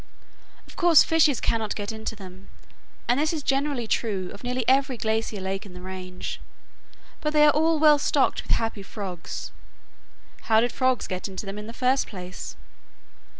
Of course fishes cannot get into them, and this is generally true of nearly every glacier lake in the range, but they are all well stocked with happy frogs. How did the frogs get into them in the first place?